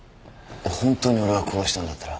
本当に俺が殺したんだったら。